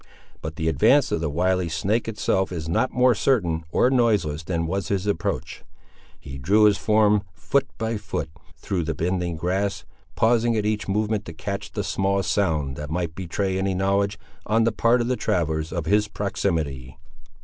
But the advance of the wily snake itself is not more certain or noiseless than was his approach. He drew his form, foot by foot, through the bending grass, pausing at each movement to catch the smallest sound that might betray any knowledge, on the part of the travellers, of his proximity.